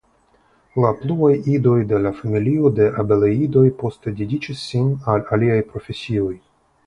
La pluaj idoj de la familio de Abeleidoj poste dediĉis sin al aliaj profesioj.